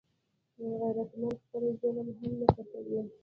غیرتمند خپل ظلم هم نه پټوي